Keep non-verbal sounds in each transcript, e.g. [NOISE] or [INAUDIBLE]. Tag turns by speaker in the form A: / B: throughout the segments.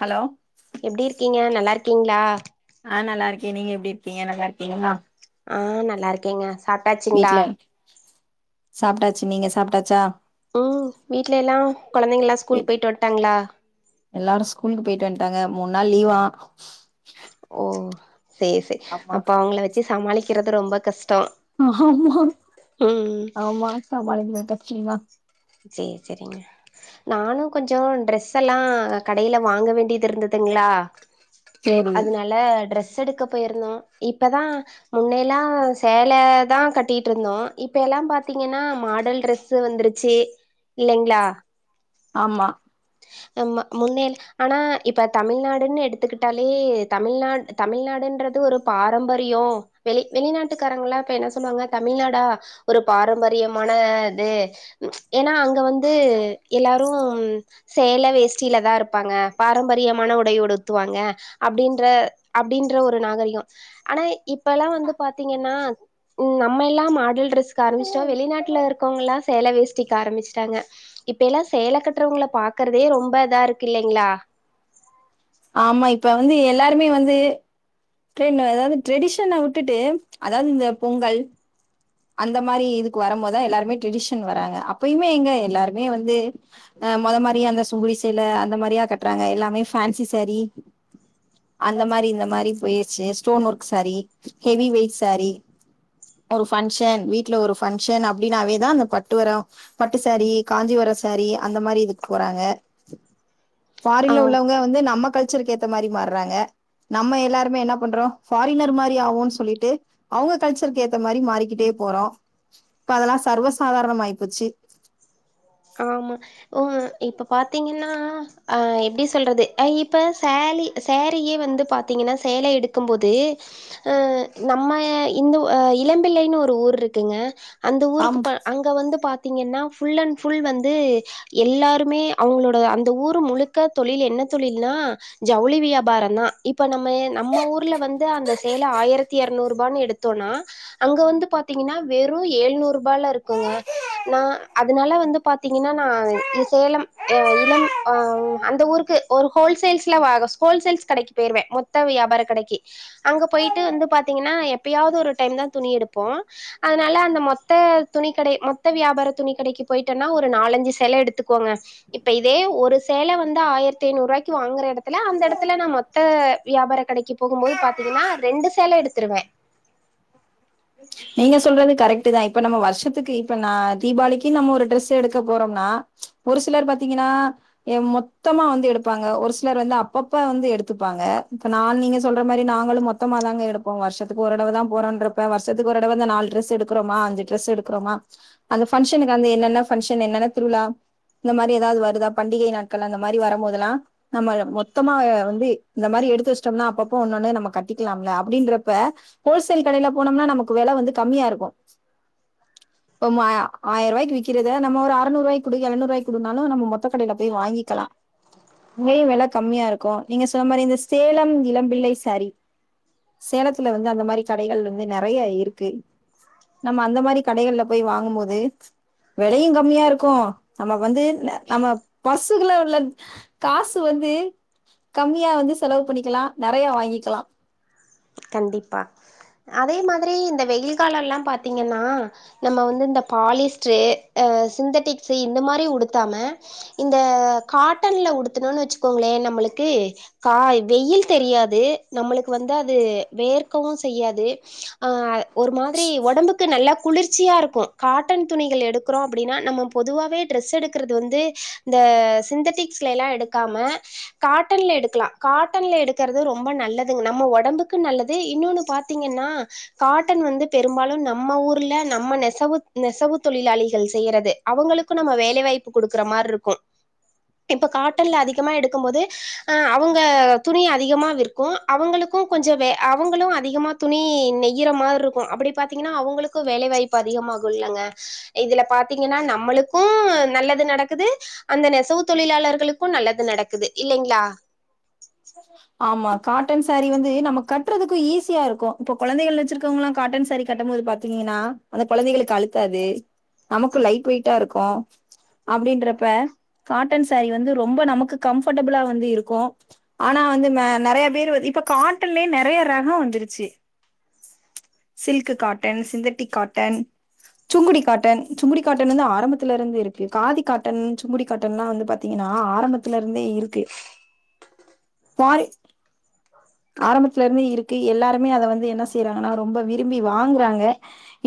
A: hello
B: எப்படி இருக்கீங்க நல்லா இருக்கீங்ளா
A: ஆ நல்லா இருக்க நீங்க எப்டி இருக்கீங்க நல்லா இருக்கீங்ளா
B: ஆ நல்லா இருக்கேங்க சாப்ட்டாச்சுங்களா
A: வீட்ல சாப்ட்டாச்சு நீங்க சாப்ட்டாச்சா
B: ம் வீட்ல எல்லா கொழந்தைங்கெல்லா ஸ்கூல் போயிட்டு வன்ட்டாங்ளா
A: எல்லாரு ஸ்கூலுக்கு போயிட்டு வன்ட்டாங்க மூண் நாள் லீவா
B: ஓ சேர் சேர்
A: ஆமா
B: அப்ப அவுங்கள வச்சி சமாளிக்கிறது ரொம்ப கஷ்டோ
A: ஆமா
B: ம்
A: ஆமா [UNINTELLIGIBLE]
B: சேர் செரிங்க நானு கொஞ்சோ ட்ரெஸ் எல்லா கடையில வாங்க வேண்டியது இருந்ததுங்ளா
A: சேரி
B: இல்ல ட்ரெஸ் எடுக்க போயிருந்தோ இப்பதா முன்னைலா சேல தா கட்டிட்டு இருந்தோ இப்ப எல்லா பார்த்தீங்கன்னா மாடல் ட்ரெஸ் வந்துருச்சு இல்லைங்ளா
A: ஆமா
B: முன்னே ஆனா இப்ப தமிழ்நாடுன்னு எடுத்துக்கிட்டாலே தமிழ்நாடு தமிழ்நாடுன்றது ஒரு பாரம்பரியம் வெளி வெளிநாட்டுக்காரங்களா இப்ப என்ன சொல்லுவாங்க தமிழ்நாடா ஒரு பாரம்பரியமான இது ஏன்னா அங்க வந்து எல்லாரு சேல வேஷ்டில தா இருப்பாங்க பாரம்பரியமான உடை உடுத்துவாங்க அப்டின்ற அப்டின்ற ஒரு நாகரிகோ ஆனா இப்ப எல்லா வந்து பாத்திங்கன்னா ம் நம்ம எல்லா மாடல் ட்ரெஸ்க்கு ஆரமிச்ட்டோ வெளிநாட்ல இருக்கவங்கலா சேல வேஷ்டிக்கு ஆரம்மிச்ட்டாங்க இப்பெல்லா சேல கட்டுறவங்கள பாக்றதே ரொம்ப இதா இருக்கு இல்லைங்ளா
A: ஆமா இப்ப வந்து எல்லாருமே வந்து ட்ரே அதாவது ட்ரெடிஷன விட்டுட்டு அதாவது இந்த பொங்கல் அந்த மாரி இதுக்கு வரம்போதா எல்லாருமே ட்ரெடிஷன் வராங்க அப்பயுமே எங்க எல்லாருமே வந்து அ மொத மாரி அந்த சுங்குடி சீல அந்த மாதிரியா கட்றாங்க எல்லாமே ஃபேன்சி சாரி அந்த மாரி இந்த மாரி பொய்ருச்சு stone work sari heavy weight sari function வீட்ல ஒரு ஃபன்க்ஷன் அப்படின்னாவேதா அந்த பட்டு வரோ பட்டு சாரி காஞ்சிபுரோ சாரி அந்த மாரி இதுக்கு போறாங்க
B: ஆ
A: ஃபாரின்ல உள்ளவங்க வந்து நம்ம கல்ச்சர்க்கு ஏத்த மாரி மாற்றாங்க நம்ம எல்லாருமே என்ன பண்றோ ஃபாரினர் மாரி ஆவோனு சொல்லிட்டு அவங்க கல்ச்சர்க்கு ஏத்த மாரி மாறி கிட்டே போறோ இப்ப அதெல்லா சர்வசாதாரணோ ஆய் போச்சு
B: ஆமா உ இப்ப பாத்திங்கன்னா அ எப்டி சொல்றது அ இப்ப சேலி சாரியே வந்து பாத்திங்கன்னா சேல எடுக்கும்போது அ நம்ம இந்த இளம்பிள்ளைன்னு ஒர் ஊரு இருக்குங்க அந்த ஊருக்கு
A: ஆம்
B: ப அங்க வந்து பாத்திங்கன்னா ஃபுல் அண்ட் ஃபுல் வந்து எல்லாருமே அவங்ளோட அந்த ஊரு முழுக்க தொழில் என்ன தொழில்னா ஜவுளி வியாபாரதா இப்ப நம்ம நம்ம ஊர்ல வந்து அந்த சேலை ஆயிரத்தி எரநூறு ரூபான்னு எடுத் னா அங்க வந்து பாத்திங்கன்னா வெறு ஏழ்நூறு ருபால இருக்குங்க நா அதுனால வந் து பாத்திங்கன்னா நா சேலம் அ இளம் அந்த ஊருக்கு ஒரு ஹோல்சேல்ஸ்ல வாங்க ஹோல்சேல்ஸ் கடைக்கு பொய்ருவே மொத்த வியாபர கடைக்கு அங்க பொய்ட்டு வந்து பாத்திங்கன்னா எப்பயாவது ஒரு டைம்தா துணி எடுப்போ அதனால அந்த மொத்த துணி கடை மொத்த வியாபார துணி கடைக்கு பொய்ட் எதனா ஒரு நாலஞ்சு சேல எடுத்துக்கோங்க இப்ப இதே ஒரு சேல வந்து ஆயிரத்தி ஐந்நூறு ருவாய்க்கு வாங்குற எடத்துல அந்த எடத்துல நா மொத் த வியாபார கடைக்கு போகு போது பாத்திங்கன்னா ரெண்டு சேல எடுத்ருவே
A: நீங்க சொல்றது கரெக்ட் தா இப்ப நம்ம வர்ஷத்துக்கு இப்ப நா தீபாளிக்கு நம்ம ஒரு டிரெஸ் எடுக்க போறோனா ஒரு சிலர் பாத்திங்கன்னா எ மொத்தமா வந்து எடுப்பாங்க ஒரு சிலர் வந்து அப்பப்ப வந்து எடுத்துப்பாங்க இப்ப நா நீங்க சொல்ற மாரி நாங்களு மொத் மொத்தமா தாங்க எடுப்போ வர்ஷத்துக்கு ஒருடவு தா போறோன்றப்ப வர்ஷத் இங்கு ஒருதடவ நாலு டிரஸ் எடுக்குறோமா அஞ்சு ட்ரஸ் எடுக்குறோமா அந்த பன்க்ஷனுக்கு அந்து என்னென்ன ஃபங்க்ஷன் என்னென்ன திருவிழா இந்த மாரி எதாவது வருதா பண்டிகை நாட்கள் அந்த மாரி வரம்போதல்லா நம்ம மொத்தமா வந்து இந்த மாரி எடுத்து வச்ட்டோம்னா அப்பப்போ ஒன்னொன்னு நம்ம கட்டிக்கலாம்ல அப்டின்றப்ப ஹோல்சேல் கடையில போனோம்னா நமக்கு வெல வந்து கம்மியா இருக்கு இப்ப ஆயர்ருவாய்கு விக்கிறத நம்ம ஒரு அறநூருவாய்க் குடு எழநூருவாய்க் குடுனாலு நம்ம மொத்தக்கடைல போய் வாங்கிக்கலா அங்கயு வெல கம்மியா இருக்கு நீங்க சொன்ன மாரி இந்த சேலம் இளம்பிள்ளை சாரி சேலத்துல வந்து அந்த மாரி கடைகள் வந்து நெறைய இருக்கு நம்ம அந்த மாரி கடைகள்ல போய் வாங்கும் போது வெலையு கம்மியா இருக்கு நம்ம வந்து நம்ம பர்சுக்குள்ள உள்ள காசு வந்து கம்மியா வந்து செலவு பண்ணிக்கலா நெறைய வாங்கிக்கலா
B: கண்டிப்பா அதே மாதிரி இந்த வெயில் கால எல்லா பாத்தீங்கன்னா நம்ம வந்து இந்த பாலிஸ்ட்ரு அ சிந்தட்டிக்ஸு இந்த மாரி உடுத்தாம இந்த காட்டன்ல உடுத்துணுன் வச்சுக்கோங்களே நம்மளுக்கு கா வெயில் தெரியாது நம்முளுக்கு வந்தா து வேர்கவு செய்யாது ஆ ஒரு மாதிரி ஒடம்புக்கு நல்லா குளிர்ச்சியா இருக்கு காட்டன் துணிகள் எடுக்குறோ அப்படினா நம்ம பொதுவாவே ட்ரெஸ் எடுக்குறது வந்து இந்த சிந்தட்டிக்ஸ்ல எல்லா எடுக்காம காட்டன்ல எடுக்கலா காட்டன்ல எடுக்கறது ரொம்ப நல்லதுங் நம்ம ஒடம்புக் க்கு நல்லது இன்னொனு பாத்தீங்கனா காட்டன் வந்து பெரும்பாலு நம்ம ஊர்ல நம்ம நெசவு நெசவு தொழிலாளிகள் செய்யறது அவுங்களுக்கு நம்ம வேலை வாய்ப்பு குடுக்குற மார்ருக்கு இப்ப காட்டன்ல அதிகமாக எடுக்கு போது ஆ அவுங்க துணி அதிகமா விற்கு அவுங்களுக்கு கொஞ்ச வே அவங்களு அதிகமா துணி நெய்யிற மார்ருக்கு அப்டி பாத்தீங்கனா அவுங்களுக்கு வேலை வாய் பு அதிகமாகு இல்லங்க இதுல பாத்தீங்கனா நம்மளுக்கு நல்லது நடக்குது அந்த நெசவு தொழிலாளர்களுக்கு நல்லது நடக்குது இல்லைங்ளா
A: [INAUDIBLE] ஆமா காட்டன் சாரீ வந்து நம்ம கட்டுறதுக்கு ஈஸியா இருக்கு இப்போ கொழந்தைகள் வச்சிருக்கவங்களா காட்டன் சாரீ கட்ட போது பாத் பாத்தீங்கனா அந்த கொழந்தைகளுக்கு அழுத்தாது நமக்கு லைட் வெயிட்டா இருக்கு அப்டின்றப்ப காட்டன் சாரீ வந்து ரொம்ப நமக்கு கம் ஃபட்டபளா வந்து இருக்கு ஆனா வந்து மே நெறைய பேர் வ இப்ப காட்டன்லயே நெறைய ரகோ வந்துருச்சி silk cotton synthetic cotton Sungudi cotton Sungudi cotton வந்து ஆரம்பத்துல இருந்து இருக்கு காதி காட்டன் சுங்குடி காட்டன்லா வந்து பாத் திங்கனா ஆரம்பத்துல இருந்தே இருக்கு பாரி ஆரம்பத்துல இர்ந்து இருக்கு எல்லாருமே அத வந்து என்ன செய்யறாங்கனா ரொம்ப விரும்பி வாங்குறாங்க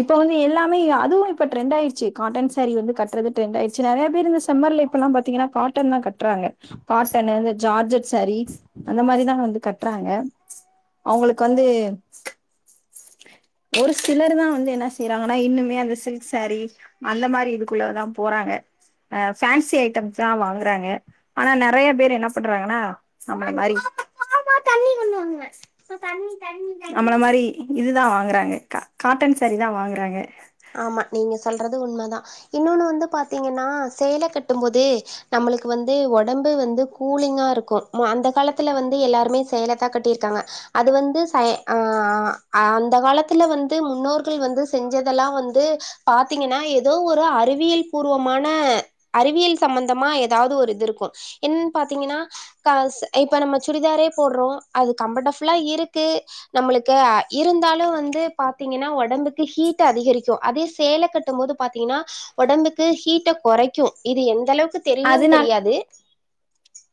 A: இப்ப வந்து எல்லாமே அதுவு இப்ப டிரெண்ட் ஆயிடுச்சி காட்டன் சேரீ வந்து கட்றது டிரெண்ட் ஆயிர்ச்சி நெறைய பேர் இந்த சம்மர்ல இப் இப்பல்லா பாத்தீங்கனா காட்டன் தா கட்றாங்க காட்டனு இந்த ஜார்ஜட் சேரீ அந்த மாதிரிதாங்க வந்து கட்றாங்க அவுங்களுக்கு வந்து ஒரு சிலர் தா வந்து என்ன செய்யறாங்கனா இன்னுமே அந்த சில்க் சேரி அந்த மாரி இதுக்குள்ளதா போறாங்க அ ஃபேன்சி ஐட்டம்ஸ் தா வாங்குறாங்க ஆனா நெறைய பேரு என்ன பண்றாங்கனா நம்மள மாரி நம்மள மாரி இதுதா வாங்கறாங்க கா காட்டன் சேரீ தா வாங்குறாங்க
B: ஆமா நீங்க சொல்றது உண்மதா இன்னொன்னு வந்து பாத்தீங்கனா சேல கட்டு போது நம்மளுக்கு வந்து ஒடம்பு வந்து கூலிங்கா இருக்கு மு அந்த காலத்துல வந்து எல்லாருமே சேல தா கட்டியிருக்காங்க அது வந்து ச ஆ அந்த காலத்துல வந்து முன்னோர்கள் வந்து செஞ்ச இதெல்லா வந்து பாத்தீங்கனா ஏதோ ஒரு அறிவியல் பூர்வமான அறிவியல் சம்மந்தமா ஏதாவது ஒரு இது இருக்கு என்னன் பாத்தீங்கனா காசு இப்ப நம்ம சுடிதாரே போட்றோ அது கம்பட ஃபுல்லா இருக்கு நம்மளுக்கு அ இருந்தாலு வந்து பாத்தீங்கனா ஒடம்புக்கு ஹீட் டு அதிகரிக்கு அதே சேல கட்டு போது பாத்தீங்கனா ஒடம்புக்கு ஹீட்ட கொறைக்கு இது எந்த அளவுக்கு தெரியுன்
A: அதனால
B: தெரியாது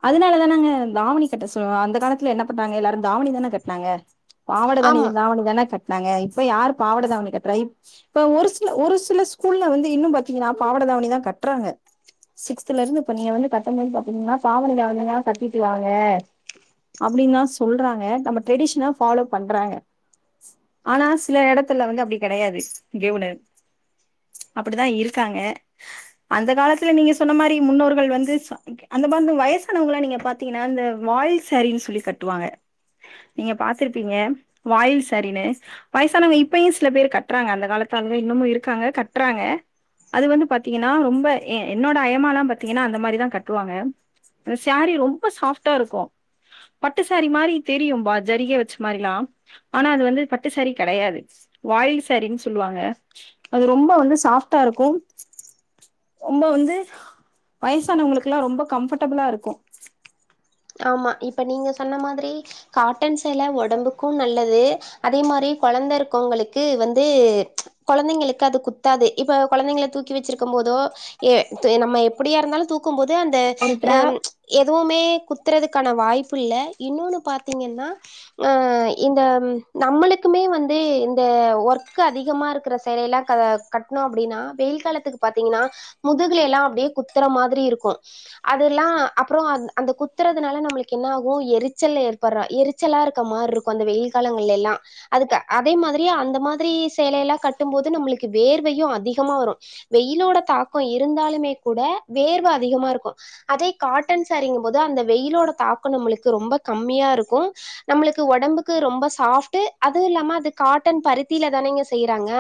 A: அதனால தானங்க தாவணி கட்ட சொல்லுவா அந்த காலத்துல என்ன பண்றாங்க எல்லாரு தாவணி தான கட்னாங்க பாவட தானே
B: ஆமா
A: தாவணி தான கட்னாங்க இப்ப யாரு பாவட தாவணி கட்றா இப் ப ஒரு சில ஒரு சில ஸ்கூல்ல வந்து இன்னு பாத்தீங்கனா பாவட தாவணி தா கட்றாங்க த்துல இருந்து இப்ப நீங்க வந்து கட்டபது பாத்தீங்கன்னா பாவட தாவணி கத்திட்டு வாங்க அப்டின் தா சொல்றாங்க நம்ம ட்ரெடிஷ்ன ஃபாலோ பண்றாங்க ஆனா சில இடத்துல வந்து அப்டி கிடையாது கேவுனு அப்படிதா இருக்காங்க அந்த காலத்துல நீங்க சொன்ன மாரி முன்னோர்கள் வந்து அந்த மாதி இந்த வயசானவங்களா நீங்க பாத்தீங்னா இந்த வாயில்சாரின்னு சொல்லி கட்டுவாங்க நீங்க பாத்துருப்பீங்க வாயில் சாரினு வயசானவங்க இப்பயு சில பேர் கட்றாங்க அந்த காலத்து ஆளுங்க இன்னுமு இருக்காங்க கட்றாங்க அது வந்து பாத்தீங்கன்னா ரொம்ப என்னோட அயமா திங்கனா அந்த மாரிதா கட்டுவாங்க சாரி ரொம்ப சாஃப்டா இருக்கு பட்டுசாரி மாரி தெரியும்பா ஜரிக வச்ச மாரிலா ஆனா அது வந்து பட்டு சாரி கடையாது வாயில் சாரினு சொல்லுவாங்க அது ரொம்ப வந்து சாஃப்டா இருக்கு ரொம்ப வந்து வயசானவங்குளுக்லா ரொம்ப கம்ஃப்படபிளா இருக்கு
B: ஆமா இப்ப நீங்க சொன்ன மாதிரி காட்டன் சேல உடம்புக்கும் நல்லது அதே மாரி குழந்த இருக்கவங்களுக்கு வந்து கொழந்தைங்களுக்கு அது குத்தாது இப்ப கொழந்தைங்கள தூக்கி வச்சிருக்கம் போதோ ஏ இப்ப நம்ம எப்புடியா இருந்தாலு தூக்கும்போது அந்த
A: ஒரு
B: அ
A: டிராப்
B: எதுவுமே‌ குத் துறதுக்கான வாய்ப்பு இல்ல இன்னொன்னு பாத்தீங்கனா அ இந்த நம்மளுக்குமே வந்து இந்த ஒர்க் அதிகமா இருக்கிற சேலையலா க கட்ணோ அப்டின்னா வெயில் காலத்துக்கு பாத்தீங்கனா முதுகுல எல்லா அப்டியே குத்துற மாதிரி இருக்கு அதில்லா அப்புறோ அந் அந்த குத் துறதுனால நம்ளுக்கு என்ன ஆகு எரிச்சல் ஏற்படுறா எரிச்சலா இருக்க மார் இருக்கு அந்த வெயில் காலங்கள்லேலா அதுக்க அதே மாதிரி அந்த மாதிரி சேலை எல்லா கட்டும் போது நம்ளுக்கு வேர்வையு அதிகமா வரு வெயிலோட தாக்கம் இருந்தாலுமே கூட வேர்வ அதிகமா இருக்கு அதே காட்டன் சேரிங்கும்போத் து அந்த வெயிலோட தாக்கோ நம்ளுக்கு ரொம்ப கம்மியா இருக்கும் நம்ளுக்கு உடம்புக்கு ரொம்ப சாஃப்ட்டு அதுவு இல்லாம அது காட்டன் பருத்தில தானேங்க செய்யறாங்க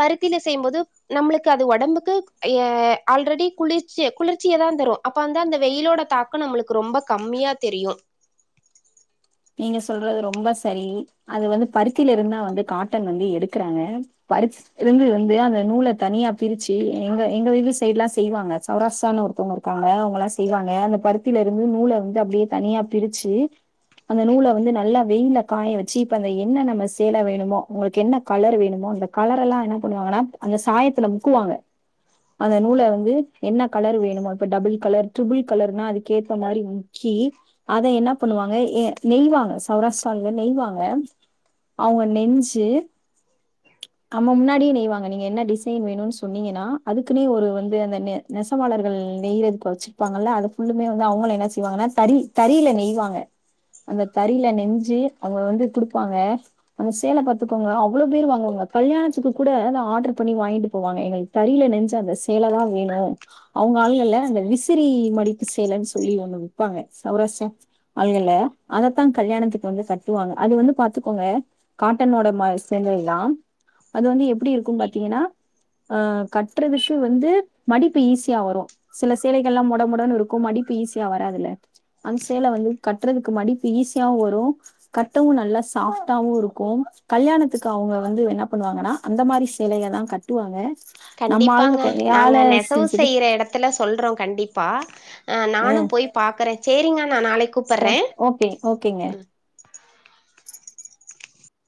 B: பருத்தில செய்யும்போது நம்ளுக்கு அது ஒடம்புக்கு ஏ ஆல்ரெடி குளிர்ச்சி குளிர்ச்சிய தா தரு அப்ப வந்து அந்த வெயிலோட தாக்க நம்ளுக்கு ரொம்ப கம்மியா தெரியு
A: நீங்க சொல்றது ரொம்ப சரி அது வந்து பருத்தில இருந்தா வந்து காட்டன் வந்து எடுக்கறாங்க பரி இருந்து வந்து அந்த நூல தனியா பிரிச்சு எங்க எங்க வீடு சைட்லா செய்வாங்க சௌராஷ்டிரான்னு ஒர்தவங்க பாங்க அவங்கலா செய்வாங்க அந்த பருத்தில இருந்து நூல வந்து அப்டியே தனியா பிரிச்சு அந்த நூல வந்து நல்லா வெயில்ல காய வச்சு இப்ப அந்த என்ன நம்ம சேல வேணுமோ உங்களுக்கு என்ன கலர் வேணுமோ அந்த கலரெல்லா என்ன பண்ணுவாங்கன்னா அந்த சாயத்துல முக்குவாங்க அந்த நூல வந்து என்ன கலர் வேணுமோ இப்ப டபுள் கலர் ட்ரிபிள் கலர்னா அதுக்க ஏத்த மாரி கி அத என்ன பண்ணுவாங்க ஏ நெய்வாங்க சௌராஷ்டிராவ்ல நெய்வாங்க அவங்க நெஞ்சு நம்ம முன்னாடிய் நெய்வாங்க நீங்க என்ன டிசைன் வேணுனு சொன்னீங்கனா அதுக்குன்னே ஒரு வந்து அந்த நெ நெசவாளர்கள் நெய்றதுக் வச்சிருப்பாங்கல்ல அது ஃபுல்லுமே வந்து அவ்ங்களா என்ன செய்வாங்கனா தறி தறில நெய்வாங்க அந்த தறில நெஞ்சு அவங்க வந்து குடுப்பாங்க அந்த சேல பாத்துக்கோங்க அவ்ளோ பேரு வாங்குவாங்க கல்யாணத்துக்கு கூட அத ஆர்டர் பண்ணி வாங்கிட்டு போவாங்க எங்களுக் தறில நெஞ்ச அந்த சேல தா வேணு அவுங்க ஆளுகள்ல அந்த விசிறி மடிப்பு சேலன் சொல்லி ஒண்ணு விப்பாங்க சௌராஷ்டா அளுகல்ல அதத்தா கல்யாணத்துக்கு வந்து கட்டுவாங்க அது வந்து பாத்துக்கோங்க காட்டனோட ம சேந்ததது தா அது வந்து எப்டி இருக்குன் பாத்தீங்கனா ஆ கட்றதுக்கு வந்து மடிப்பு ஈஸியா வரு சில சேலைகள்லா மொட மொடன் இருக்கு மடிப்பு ஈஸியா வராதுல்ல அந்த சேல வந்து கட்றதுக் க்கு மடிப்பு ஈஸியாவு வரும் கட்டவு நல்லா சாஃப்டாவு இருக்கு கல்யாணத்துக்கு அவங்க வந்து என்ன பண்ணுவாங்கனா அந்த மாரி சேலைய தா கட்டுவாங்க நம்ம ஆளுக
B: கண்டிப்பாங்க
A: கையால
B: நாங்க நெசவு
A: செஞ்சது
B: செய்யற எடத் துல சொல்றோ கண்டிப்பா
A: ஆ
B: நானு போய் பாக்குற சேரிங்க நா நாளைக்கு கூப்
A: ச ஓகே ஓகேங்க